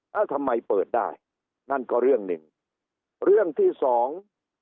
แล้วทำไมเปิดได้นั่นก็เรื่องหนึ่งเรื่องที่สอง